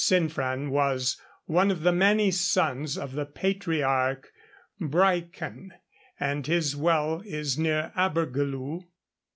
This Cynfran was one of the many sons of the patriarch Brychan, and his well is near Abergeleu.